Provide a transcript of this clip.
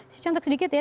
si cantik sedikit ya